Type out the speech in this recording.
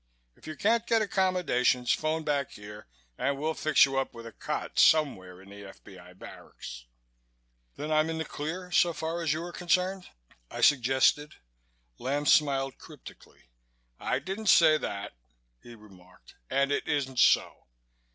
If you can't get accommodations, phone back here and we'll fix you up with a cot somewhere in the F.B.I. barracks." "Then I'm in the clear, so far as you are concerned," I suggested. Lamb smiled cryptically. "I didn't say that," he remarked, "and it isn't so.